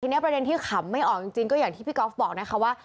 ทีนี้ประเด็นที่ขำไม่ออกจริงก็อย่างที่พี่ก๊อฟบอกนะคะว่า